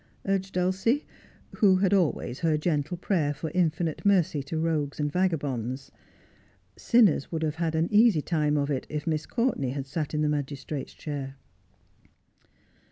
urged Dulcie, who had always her gentle prayer for infinite mercy to rogues and vagabonds. Sinners would have had an easy time of it if Miss Courtenay had sat in the magistrate's chair.